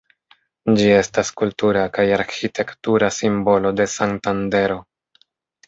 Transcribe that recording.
Ĝi estas kultura kaj arĥitektura simbolo de Santandero.